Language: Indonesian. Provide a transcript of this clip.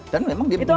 dan memang dia meminta